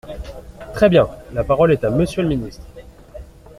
Très bien ! La parole est à Monsieur le ministre.